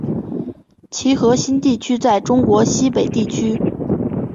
其核心地区在中国西北地区。